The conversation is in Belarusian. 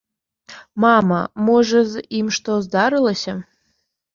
Мама, можа, з ім што здарылася?